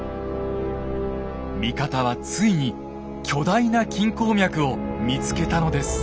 味方はついに巨大な金鉱脈を見つけたのです。